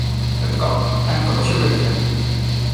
"Prędko, prędko, bo się wyrwie!"